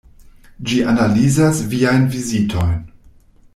Ĝi analizas viajn vizitojn.